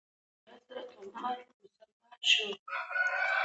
تر هغې چې حضرت عمر مسلمان شو.